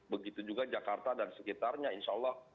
begitu juga jakarta dan sekitarnya insyaallah